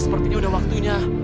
sepertinya sudah waktunya